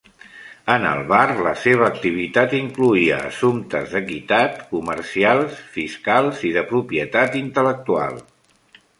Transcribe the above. En el bar, la seva activitat incloïa assumptes d'equitat, comercials, fiscals i de propietat intel·lectual.